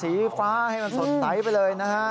สีฟ้าให้มันสดใสไปเลยนะฮะ